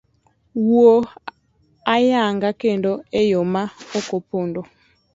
Wuo ayanga kendo eyo ma okopondo.